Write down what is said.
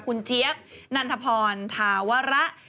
คุณเจี๊ยบนันทพรธาวระ